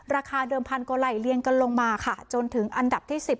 ราคาเดิมพันโกไล่เรียนกันลงมาค่ะจนถึงอันดับที่สิบ